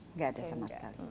nggak ada sama sekali